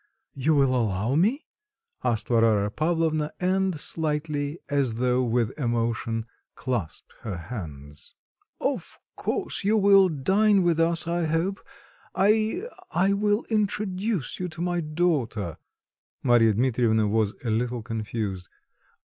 you will allow me?" asked Varvara Pavlovna, and slightly, as though with emotion, clasped her hands. "Of course, you will dine with us, I hope. I I will introduce you to my daughter." Marya Dmitrievna was a little confused.